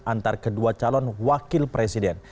antar kedua calon wakil presiden